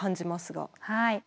はい。